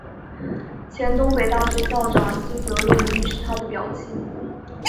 前东北大学校长西泽润一是他的表亲。